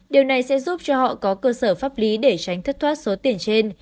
điều này sẽ giúp cho họ có cơ sở pháp lý để tránh thất thoát số tiền trên